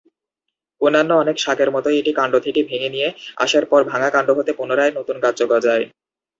অন্যান্য অনেক শাকের মতোই এটি কাণ্ড থেকে ভেঙে নিয়ে আসার পর ভাঙা কাণ্ড হতে পুনরায় নতুন গাছ গজায়।